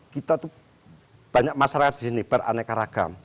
kita tuh banyak masyarakat di sini beraneka ragam